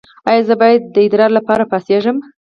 ایا زه باید د ادرار لپاره پاڅیږم؟